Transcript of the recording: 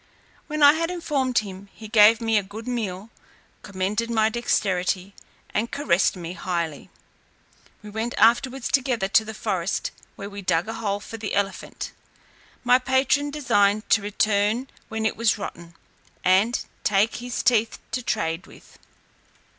When I had informed him, he gave me a good meal, commended my dexterity, and caressed me highly. We went afterwards together to the forest, where we dug a hole for the elephant; my patron designing to return when it was rotten, and take his teeth to trade with.